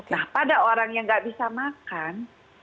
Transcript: nah pada orang yang nggak bisa makan